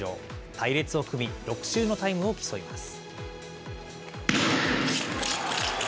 隊列を組み、６周のタイムを競います。